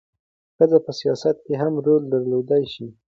ښځې په سیاست کې هم رول درلودلی شي.